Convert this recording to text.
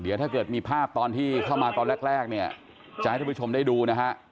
เดี๋ยวถ้าเกิดมีภาพตอนที่เข้ามาตอนแรกเนี่ยจะให้ทุกผู้ชมได้ดูนะฮะ